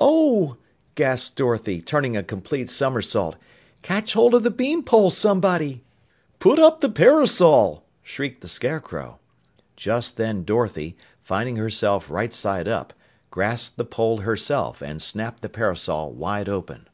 "O!" gasped Dorothy, turning a complete somersault, "catch hold of the bean pole, somebody!" "Put up the parasol!" shrieked the Scarecrow. Just then Dorothy, finding herself right side up, grasped the pole herself and snapped the parasol wide open.